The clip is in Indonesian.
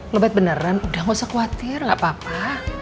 ngebet beneran udah gak usah khawatir gak apa apa